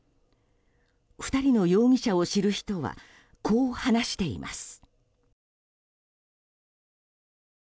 ２人の容疑者を知る人はこう話しています。